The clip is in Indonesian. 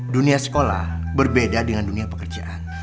dunia sekolah berbeda dengan dunia pekerjaan